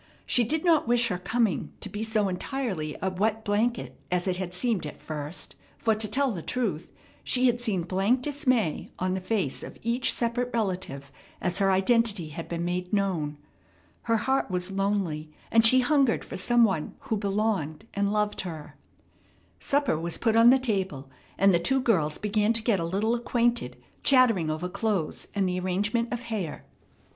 She did not wish her coming to be so entirely a wet blanket as it had seemed at first; for, to tell the truth, she had seen blank dismay on the face of each separate relative as her identity had been made known. Her heart was lonely, and she hungered for some one who "belonged" and loved her. Supper was put on the table, and the two girls began to get a little acquainted, chattering over clothes and the arrangement of hair.